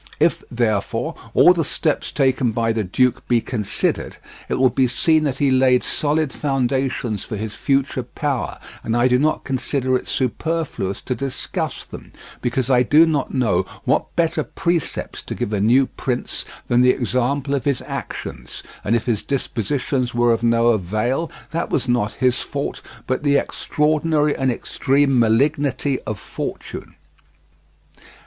If, therefore, all the steps taken by the duke be considered, it will be seen that he laid solid foundations for his future power, and I do not consider it superfluous to discuss them, because I do not know what better precepts to give a new prince than the example of his actions; and if his dispositions were of no avail, that was not his fault, but the extraordinary and extreme malignity of fortune.